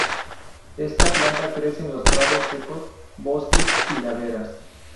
Esta planta crece en los prados secos, bosques y laderas.